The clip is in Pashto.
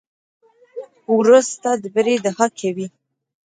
ورور ستا د بري دعا کوي.